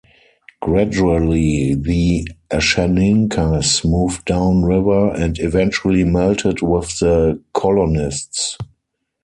Gradually the Ashaninkas moved down river and eventually melted with the colonists.